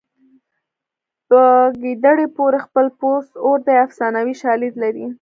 په ګیدړې پورې خپل پوست اور دی افسانوي شالید لري